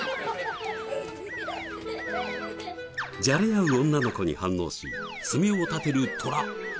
じゃれ合う女の子に反応し爪を立てるトラ。